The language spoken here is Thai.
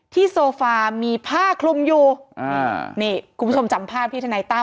โซฟามีผ้าคลุมอยู่อ่านี่คุณผู้ชมจำภาพที่ทนายตั้